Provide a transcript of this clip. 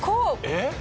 えっ？